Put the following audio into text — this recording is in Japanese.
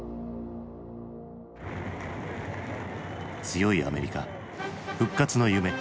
強いアメリカ復活の夢。